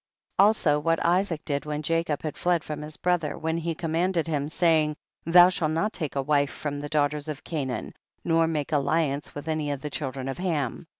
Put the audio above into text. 34. Also what Isaac did when Jacob had fled from his brother, when he commanded him, saying, thou shalt not take a wife from the daughters of Canaan, nor make alli ance with any of the children of Ham.